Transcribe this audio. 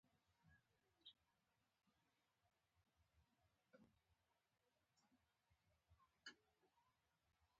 دوی یې په بشپړه توګه جذب کړي.